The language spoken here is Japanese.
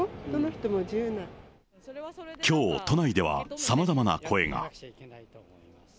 きょう、都内ではさまざまな声が。